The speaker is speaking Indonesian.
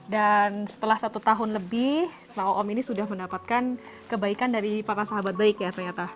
dan setelah satu tahun lebih ma'oom ini sudah mendapatkan kebaikan dari para sahabat baik ya ternyata